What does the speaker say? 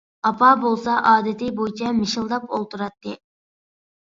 ئاپام بولسا ئادىتى بويىچە مىشىلداپ ئولتۇراتتى.